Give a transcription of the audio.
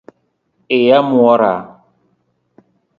Iya mwora